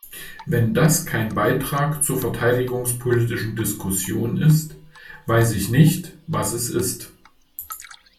Wenn das kein Beitrag zur verteidigungspolitischen Diskussion ist, weiß ich nicht, was es ist.